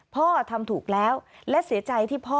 พ่อทำถูกแล้วและเสียใจที่พ่อ